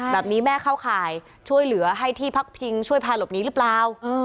แบบนี้แม่เข้าข่ายช่วยเหลือให้ที่พักพิงช่วยพาหลบหนีหรือเปล่า